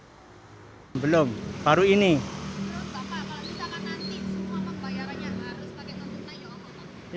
kalau bisa kan nanti semua membayarnya harus pakai non tunai ya